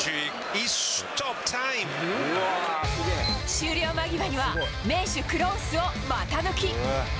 終了間際には、名手、クロースを股抜き。